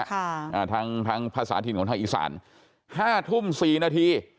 ค่ะอ่าทางทางภาษาที่หนึ่งของท่านอีสาน๕ทุ่ม๔นาที